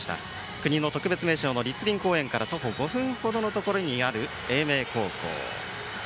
国の特別名勝の栗林公園から徒歩５分程のところにある英明高校。